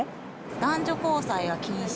男女交際が禁止。